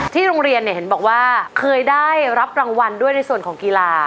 โรงเรียนเนี่ยเห็นบอกว่าเคยได้รับรางวัลด้วยในส่วนของกีฬา